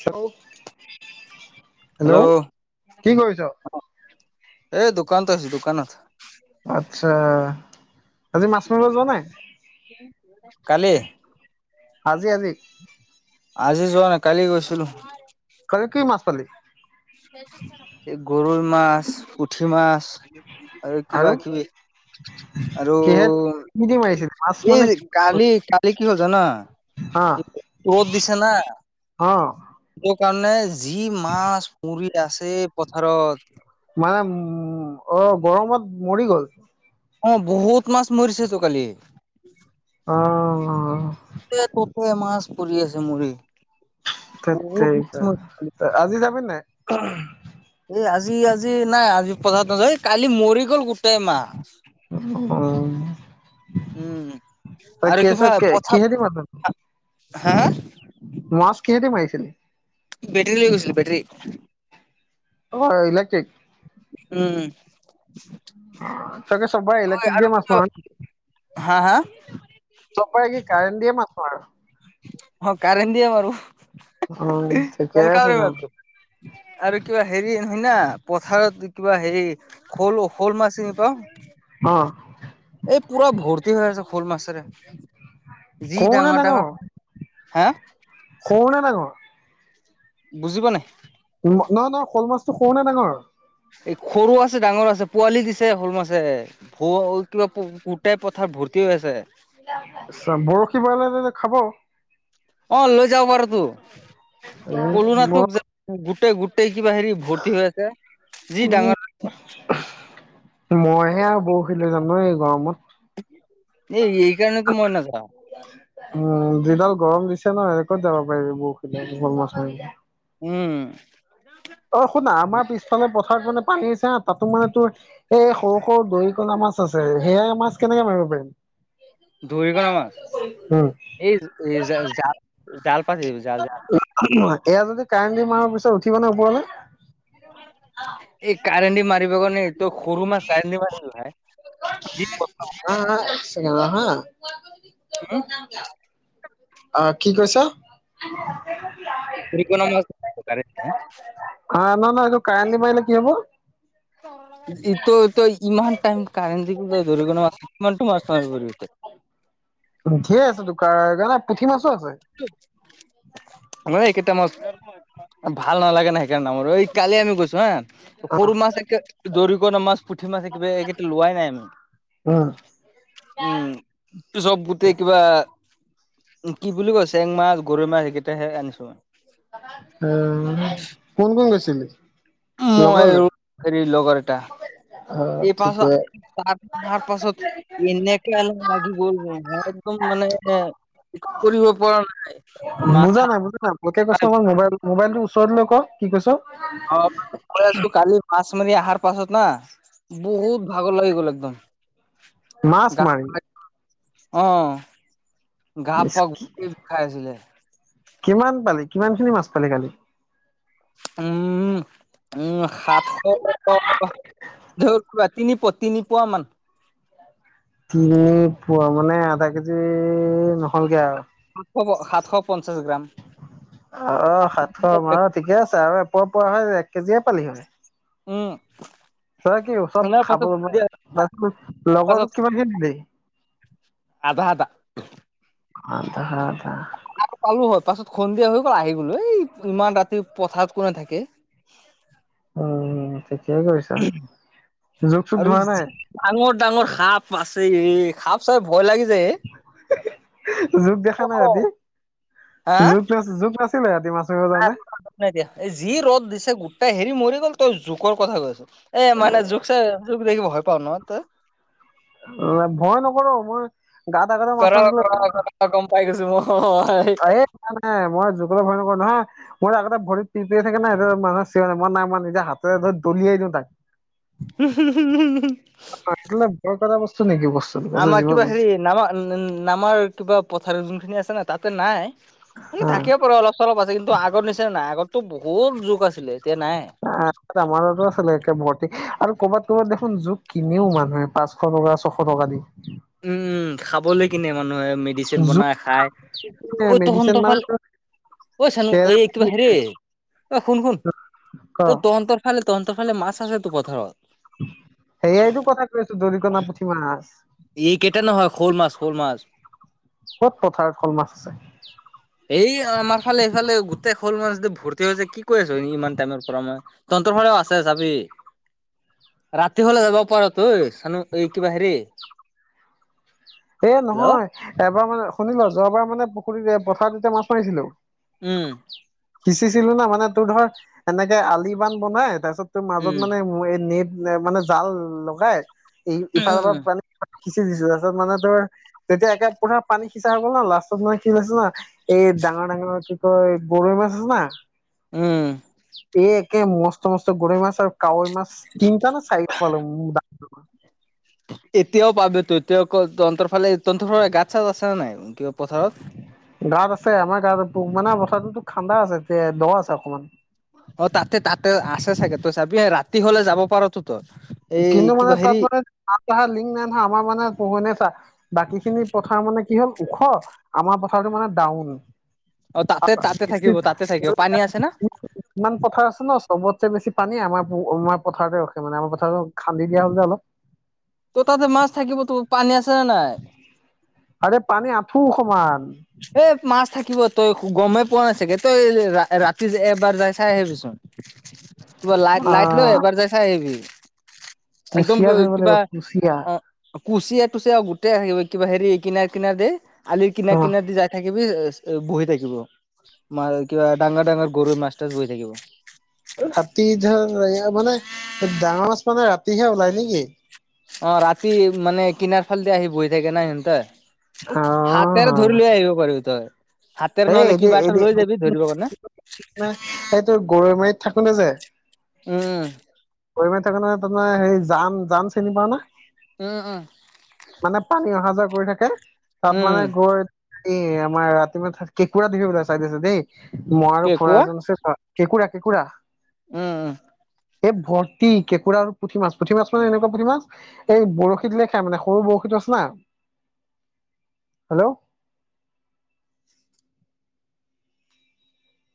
চওক hello কি কৰিছ? এই দোকানত আছো দোকানত আত্ছা। আজি মাছ মাৰিবলৈ যোৱা কালি নাই আজি আজি আজি যোৱা নাই কালি গৈছিলো। কালি কি মাছ, পালি। এই গৰৈ মাছ, পুঠি মাছ, আৰু কিবা কিবি আৰু কিহে কি দি মাৰিছিলি? মাছ মানে এই কালি কালি কি হ'ল জান অ ৰ'ত দিছে ন। অ সটো কাৰণে যি মাছ মৰি আছে পথাৰত মানে উম অ গৰমত, মৰি গ'ল। অ বহুত মাছ মৰিছে তো কালি অ য'ত যিতে মাছ পৰি আছে মুৰি। থেত তেতিয়া আজি যাবি নাই। এই আজি আজি নাই আজি পথাৰ নয এই কালি মৰি গ'ল গোটেই মাহ। উম ভগৱান উম আৰু কি ভা কেছত কে পথ কিহেদি মাছ মাৰিলি? হা মাছ কিহে দি মাৰিছিলি। বেটেৰী লৈ গৈছিলো বেটেৰী। অ ইলেক্ট্ৰিক, উম তাকে চবাই ইলেক্ট্ৰিক, আৰু দিয়া মাছ কিয় নহয় নেকি? হা হা চব বাৰে কি কাৰেণ্ট দিয়ে মাছ মাৰ। অ কাৰেণ্টৰ দিয়ে মাৰো অ ঠিকে কেনক আছে ব তেন [unintelligible] আৰু কিবা হেৰি নহয় না পথাৰত কিবা হেৰি। শ'ল, শ'ল মাছ চিনি পাওঁ অ এই পুৰা ভৰ্তি হৈ আছে শ'ল মাছেৰে যি সৰু নে ডাঙৰ ডাঙৰ হে সৰু না ডাঙৰ- বুজিব নাই। নহয় নহ শল মাছটো কওঁ নে ডাঙৰ- এই সৰু আছে ডাঙৰ আছে পোৱালি দিছে শ'ল, মাছে ভ কিবা গোটেই পথাৰ ভৰ্তি হৈ আছে। আ বৰশী বলে খাব। অ' লৈ যাওঁ বাৰু তো কলোঁ ন তোক, গোটেই গোটেই কিবা হেৰি ভৰ্তি হৈ আছে। যি ডাঙৰৰ মই হে আৰু বৰশি লৈ যাম ন এই গৰমত। এই-এই কাৰণেতো মই নাযাওঁ। উম' যিডাল গৰম দিছে ন, সেনে ক'ত যাব পাৰিবি বৰষুণ জল মা উম' অ' শুনা আমাৰ পিছফালৰ পথাৰত মানে পানী আছে হা তাতো মানে তোৰ এই সৰু-সৰু দৰিকণা মাছ আছে, সেয়াই মাছ কেনেকে মাৰিব পাৰিম? দৰিকণা ন মাছ, উম এই-এই, জাল-জাল পাতি দিবি জাল-জাল। এইয়া যদি কাৰেণ্ট দি মাৰা পিছত উঠিব নে ওপৰলে এই কাৰেণ্ট দি মা মাৰিব কাৰণে এইটো সৰু মাছ কাৰেণ্ট দিব নালাগে। যি অক হা [unintelligible] অ' কি কৈছ? সেইকাৰণে মই কৈছোঁ কালি যে [unintelligible] অ' নহয়-নহয় এইটো কাৰেণ্ট দিব আহিলে কি হ'ব? তই-তই ইমান টাইম কাৰেণ্ট দি তই ধৰিব নোৱাৰ, কি মাছ মাৰিবি তই? [unintelligible] ধেৰ আছে তো দেখা নাই পুঠি মাছো আছে। [unintelligible] ঐ, এইকেইটা মাছ ভাল নালাগে না, সেইকাৰণে নামাৰোঁ। ঐ, কালি আমি গৈছোঁ হা। সৰু মাছ, একে দৰিকণা মাছ, পুঠি মাছ, একেবাৰে এইকেইটা লোৱাই নাই আমি। উম। উম, চব গোটেই কিবা কি বুলি কৈছে? চেং মাছ, গৰৈ মাছ সেইকেইটাহে আনিছোঁ। আহ, কোন কোন গৈছিলি? মই লগৰলে আৰু হেৰি লগৰ এটা। অ এই পাছত ঠিকে ত তাৰ পাছত এনে এনেকা লাগি গ'ল নহয়, একদম মানে একো কৰিব পৰা নাই। বুজা মাথা নাই, বুজা নাই, মুখে কৈছ মই মোবাইল মোবাইলটোৰ ওচৰ লৈ ক কি কৈছ? অ' কৈ আছোঁ, কালি মাছ মাৰি অহাৰ পাছত না বহুত ভাগৰ লাগি গ'ল একদম। মাছ [inaudible] গা মাৰি পা অ' গা ইচ পা কি গোটেই খাই আছিলে। কিমান পালি, কিমান খিনি মাছ পালি কালি? উম, উম, সাতশ টকা মানে [inaudible] [unintelligible] তিনি পোৱা, তিনি পোৱা মান। তিনি পোৱা মানে আধা কেজি নহ'লগে আৰু? সাতশ-সাতশ পঞ্চাশ গ্ৰাম। অ' সাতশ, বাৰু ঠিকে আছে আৰু এপোৱা পোৱা হ'লে, এক কেজিয়ে পালি হয়। উম। তই কি চব তাৰ খাব, পাছত তাৰ তোৰ লগৰতোক কিমান কে দিলি? আধা-আধা। আধা-আধা। মাছ পালোঁ হয়, পাছত সন্ধিয়া হৈ গ'ল, আহি গলোঁ। এই ইমান ৰাতি পথাৰত কোনে থাকে? অ', ঠিকেই কৰিছ, জোক চোক ধৰা নাই? ডাঙৰ-ডাঙৰ সাপ আছে, এ! সাপ চাই ভয় লাগি যায় এ। [unintelligible] জোক দেখা নাই ৰাতি, হা জোক ধ জোক নাছিলে ৰাতি মাছ মাৰিব যাওঁতে? নাই দিয়া, যি ৰ'দ দিছে গোটেই হেৰি মৰি গ'ল তই জোকৰ কথা কৈ আছোঁ এ, মানে জোক চাই জোক দেখি ভয় পাওঁ ন' তই? অ' ভয় নকৰো মই [unintelligible] কৰা কৰা কৰা গম পাই গৈছো মই নাই নাই মই জোকলৈ ভয় নকৰো নহয়। মোৰ আগতে ভৰিত পিৰপিৰাই থাকে ন' [unintelligible] মই নাই মই নিজে হাতেৰে ধৰি দলিয়াই দিওঁ তাক। [unintelligible] [unintelligible] ভয় কৰা বস্তু নেকি বচ আমাৰ কিবা হেৰি নামা নামাৰ কিবা পথাৰ যোনখিনি আছে ন' তাতে নাই। হা থাকিব পাৰে অলপ চলপ আছে, কিন্তু আগৰ নিচিনা নাই আগতে বহুত জোক আছিলে এতিয়া নাই। আ-আমাৰো আছিলে একে ভৰ্তি আৰু কৰ'ৰবাত ক'ৰবাত দেখোন জোক কিনেও মানুহে পাছ শ টকা ছশ টকা দি। উম, উম, খাবলৈ কিনে মানুহে মে [unintelligible] জোক বনাই খায়, অই মেডিচিন তহঁনতৰ ফালে মানে ঐ চানো এই থেৰাপি কিবা হেৰি, দিয়ে ঐ শুন শুন, ক এই তহন্তৰ ফালে তহন্তৰ ফালে মাছ আছেটো পথাৰত। সেয়াইতো কথা কৈ আছোঁ দৰিকনা, পুঠি মাছ। এই কেইটা নহয় শ'ল মাছ শ'ল মাছ। ক'ত পথাৰত শ'ল মাছ আছে? এই আমাৰ ফালে এইফালে গোটেই শ'ল মান যদি ভৰ্তি হৈছে কি কৈ আছোঁ এ, ইমান টাইমৰ পৰা মই। তহন্তৰ ফালেও আছে যাবি। ৰাতি হ'লে যাব পৰা [unintelligible] চানো এই কিবা হেৰি। এ হেল্ল' নহয় এবাৰ মানে শুনিলা যোৱা বাৰ মানে পুখুৰীত পথাৰত এতিয়া মাছ মাৰিছিলোঁ। উম। সিঁচিছিলো না মানে তোৰ ধৰ, এনেকে আলি বান বনাই তাৰপিছত মাজত উম। মানে এই নেট মানে জাল লগাই, ই- ইফালৰ পৰা উম, পানী সিচি দিছোঁ তাৰপাছত মানে তোৰ তেতিয়া একে পুৰা পানী সিঁচা হ'ল ন' লাষ্টত মানে কি হৈছে ন' এই ডাঙৰ, ডাঙৰ কি কয় গৰৈ মাছ আছে না? উম। এ একে মস্ত, মস্ত গৰৈ মাছ আৰু কাৱৈ মাছ তিনিটা নে চাৰি পালো [inaudible] এতিয়াও পাবিতো এতিয়াক তহন্তৰ ফালে তহন্তৰ ফালে গাঁত চাত আছে নে নাই কিবা পথাৰত? গাত আছে, আমাৰ গাত, মানে, পথাৰটোতো খান্দা আছে, তে দ আছে অকমান। অ' তাতে তাতে আছে চাগে তই চাবি ৰাতি হ'লে যাব পাৰাতো তই। এই কিন্তু মানে কিবা তাত হেৰি মানে [unintelligible] লিংক নাই নহয় আমাৰ মানে পোহনে চা বাকী খিনি পথাৰ মানে কি হ'ল ওখ আমাৰ পথাৰটো মানে ডাউন অ তাতে তাতে থাকিব [unintelligible] তাতে থাকিব পানী আছে না ইমান পথাৰ আছে ন' চবতে বেছি পানী আমাৰ আমাৰ পথাৰতে ৰখে মানে আমাৰ পথাৰ আৰু খান্দি দিয়া হয় যে অলপ। ত' তাতে মাছ থাকিবতো, পানী আছে নে নাই? আৰে পানী আঁঠুৰ সমান। এ মাছ থাকিব তই গমেই পোৱা নাই চাগে তই ৰা-ৰাতি এবাৰ যাই চাই আহিবি চোন, [unintelligible] লাই লাইট আহ লৈ এবাৰ যাই চাই আহিবি। একদম কুচিয়া [unintelligible] ধৰিব লাগিব কিবা কুচিয়া। অ' কুচিয়া থুচিয়া গোটেই আহিব কিবা হেৰি কিনাৰ কিনাৰতে, আলিৰ কিন অ কিনেদি যাই থাকিবি এচ এ বৈ থাকিব মা কিবা ডাঙৰ ডাঙৰ গৰৈ মাছ তাত বৈ থাকিব ৰাতি ধৰ এ মানে ডাঙৰ মাছ মানে ৰাতিহে ওলাই নেকি অঁ ৰাতি মানে কিনাৰ ফালেদি আহি বহি থাকে না ইহতে অ হাতেৰে ধৰি লৈ আহিব পাৰিবি তই হাতেৰে হেই নহলে এদ এ কিবা এটা লৈ যাবি ধৰিব কাৰণে সেইটোৰ গৰৈ মাৰিত থাকোতে যায় [unintelligible] উম গৰৈ মাৰি থাক না তাৰ মানে হেৰি জান জান চিনি পাও ন [unintelligible] উ উ মানে পানী অহা যোৱা কৰি থাকে তাত মানে উম গৈ এ আমাৰ ৰাতি ম কেঁকুৰা দিব পাই চাই আছে দেই মই কি আৰু খুৰা কোৱা এজন আছে কেঁকোৰা কেঁকোৰা উম উম এই ভৰ্তি কেঁকোৰা আৰু পুঠি মাছ পুঠি মাছ মানে এনেকুৱা পুঠি মাছ এই বৰশীত লে খাই মানে সৰু বৌশীটো আছে না হেল্ল'